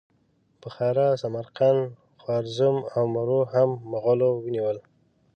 بخارا، سمرقند، خوارزم او مرو هم مغولو ونیول.